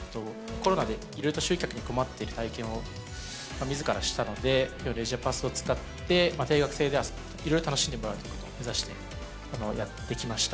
コロナでいろいろと集客に困っている体験をみずからしたので、レジャパスを使って、定額制で遊ぶ、いろいろ楽しんでもらうということを目指してやってきました。